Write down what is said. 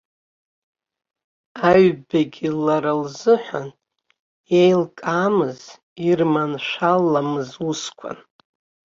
Аҩбагьы лара лзыҳәан иеилкаамыз, ирманшәаламыз усқәан.